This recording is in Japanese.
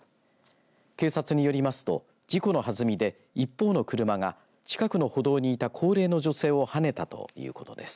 警察によりますと、事故の弾みで一方の車が近くの歩道にいた高齢の女性をはねたということです。